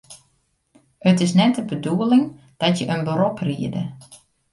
It is net de bedoeling dat je in berop riede.